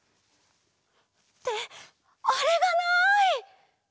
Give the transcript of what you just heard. ってあれがない！